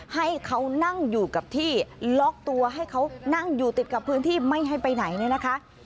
ให้เขานั่งอยู่กับที่ล็อกตัวให้เขานั่งอยู่ติดกับพื้นที่ไม่ให้ไปไหนเนี่ยนะคะ